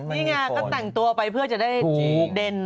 นี่ไงก็แต่งตัวไปเพื่อจะได้เด่น